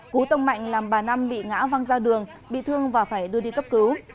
cú tông mạnh làm bà năm bị ngã văng ra đường bị thương và phải đưa đi cấp cứu